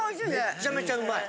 めっちゃめちゃうまい！